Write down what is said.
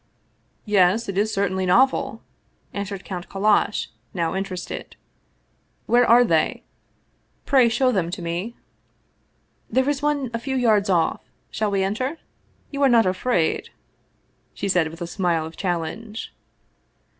Yes, it is certainly novel," answered Count Kallash, now interested. " Where are they? Pray show them to me." "There is one a few yards off. Shall we enter? You are not afraid? " she said with a smile of challenge.